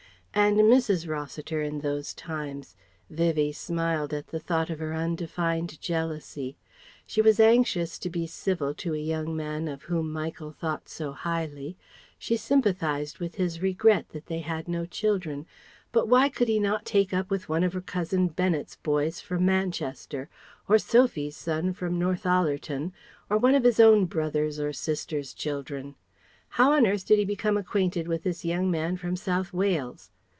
And Mrs. Rossiter in those times: Vivie smiled at the thought of her undefined jealousy. She was anxious to be civil to a young man of whom Michael thought so highly. She sympathized with his regret that they had no children, but why could he not take up with one of her cousin Bennet's boys from Manchester, or Sophy's son from Northallerton, or one of his own brother's or sister's children? How on earth did he become acquainted with this young man from South Wales?